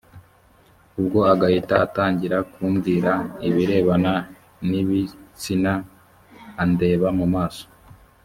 ubwo agahita atangira kumbwira ibirebana n’ibitsina andeba mu maso